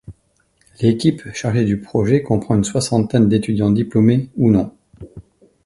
L'équipe chargée du projet comprend une soixantaine d'étudiants diplômés ou non.